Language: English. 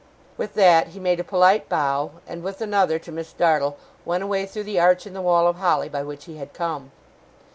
With that, he made a polite bow; and, with another to Miss Dartle, went away through the arch in the wall of holly by which he had come.